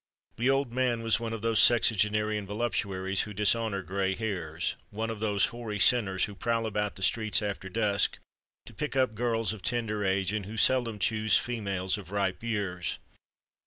The old man was one of those sexagenarian voluptuaries who dishonour gray hairs—one of those hoary sinners who prowl about the streets after dusk, to pick up girls of tender age, and who seldom choose females of ripe years.